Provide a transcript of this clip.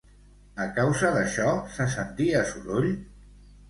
A causa d'això se sentia soroll?